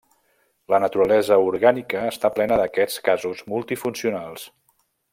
La naturalesa orgànica està plena d'aquests casos multifuncionals.